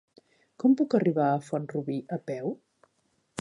Com puc arribar a Font-rubí a peu?